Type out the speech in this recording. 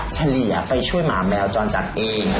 เฉลี่ยไปช่วยหมาแมวจรจัดเอง